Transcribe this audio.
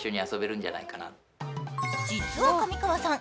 実は上川さん